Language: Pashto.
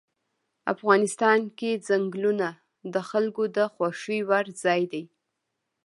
افغانستان کې ځنګلونه د خلکو د خوښې وړ ځای دی.